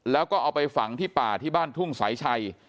แล้วก็เอาไปฝังที่ป่าที่บ้านทุ่งสายชัย